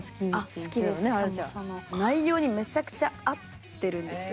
しかもその内容にめちゃくちゃ合ってるんですよ。